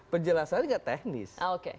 penjelasan itu tidak teknis